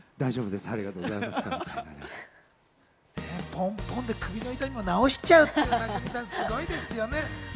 ポンポンで首を治しちゃうって、すごいですよね。